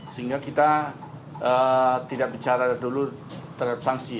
sehingga kita tidak bicara dulu terhadap sanksi